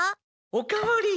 おかわり。